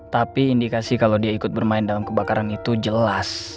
tapi indikasi kalau dia ikut bermain dalam kebakaran itu jelas